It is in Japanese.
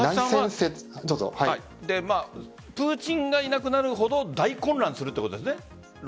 プーチンがいなくなるほど大混乱するということですね。